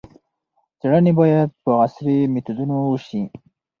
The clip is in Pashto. څېړنې باید په عصري میتودونو وشي.